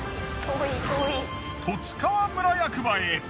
十津川村役場へ。